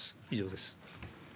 以上です。